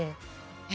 え？